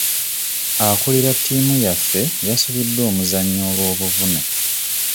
Akuulira ttimu yaffe yasubiddwa omuzannyo olw'obuvune.